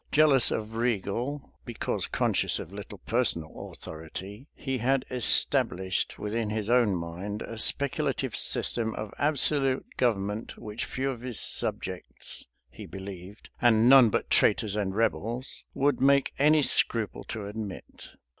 Jealous of regal, because conscious of little personal authority, he had established within his own mind a speculative system of absolute government, which few of his subjects, he believed, and none but traitors and rebels, would make any scruple to admit.